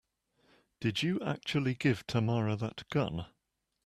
Did you actually give Tamara that gun?